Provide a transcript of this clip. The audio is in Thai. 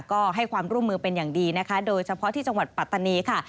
ก็ให้ความร่วมมือเป็นอย่างดีนะคะโดยเฉพาะที่จังหวัดปัตตานีค่ะ